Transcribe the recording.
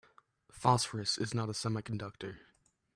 Phosphorus is not a semiconductor.